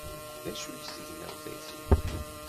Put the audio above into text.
D acu-tt tegnawt-agi!